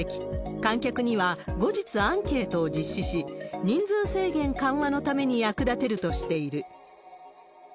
観客には後日アンケートを実施し、人数制限緩和のために役立てるとしている。